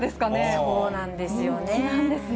そうなんですよね。